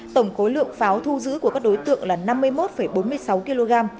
tổng khối lượng pháo thu giữ của các đối tượng là năm mươi một bốn mươi sáu kg